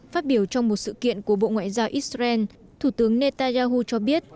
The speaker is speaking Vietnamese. phát biểu trong một sự kiện của bộ ngoại giao israel thủ tướng netanyahu cho biết